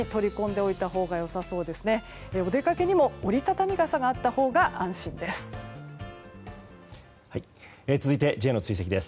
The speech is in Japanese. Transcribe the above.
お出かけにも折り畳み傘があったほうが安心です。